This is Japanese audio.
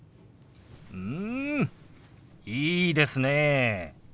うんいいですねえ。